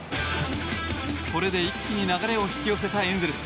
これで一気に流れを引き寄せたエンゼルス。